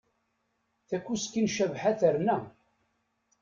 Takuski n Cabḥa terna.